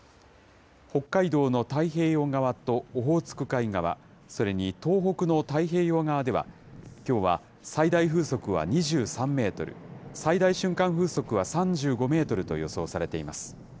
北海道の太平洋側とオホーツク海側、それに東北の太平洋側では、きょうは最大風速は２３メートル、最大瞬間風速は３５メートルと予想されています。